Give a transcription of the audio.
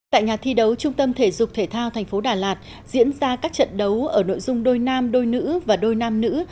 tại nhà thi đấu trung tâm thể dục thể thao tp đà lạt diễn ra các trận đấu ở nội dung đôi nam đôi nữ và đôi nam nữ